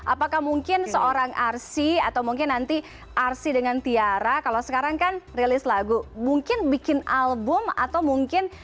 apakah mungkin seorang arsi atau mungkin nanti arsy dengan tiara kalau sekarang kan rilis lagu mungkin bikin album atau mungkin